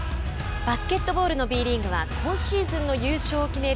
バスケットボールのＢリーグは今シーズンの優勝を決める